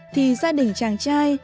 thì gia đình chàng trai